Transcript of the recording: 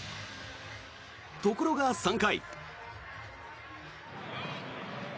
ところが、３回。